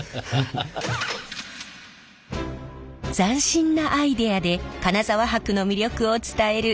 斬新なアイデアで金沢箔の魅力を伝えるこちらの工場。